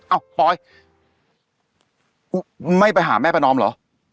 ปลอยไม่ไปหาแม่ประนอมเหรอ